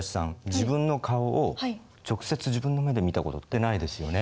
自分の顔を直接自分の目で見た事ってないですよね？